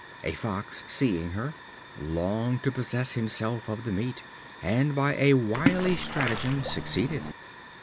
A Fox, seeing her, longed to possess himself of the flesh, and by a wily stratagem succeeded.